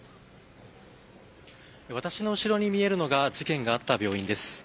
私の後ろに見えるのが事件があった病院です。